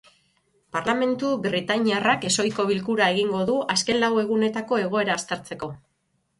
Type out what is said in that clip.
Parlamentu britainiarrak ezohiko bilkura egingo du azken lau egunetako egoera aztertzeko.